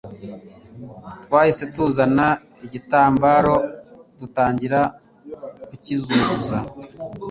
twahise tuzana agitambaro dutangira kukizunguza